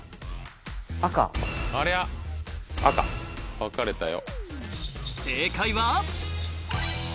分かれたよ。